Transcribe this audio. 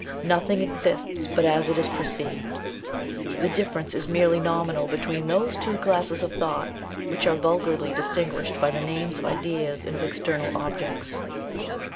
Nothing exists but as it is perceived. The difference is merely nominal between those two classes of thought, which are vulgarly distinguished by the names of ideas and of external objects.